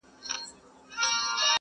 پلار یې وویل شکوي چي خپل سرونه -